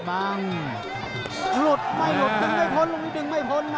หลุดไม่หลุดดึงไม่พ้นลูกนี้ดึงไม่พ้นนะ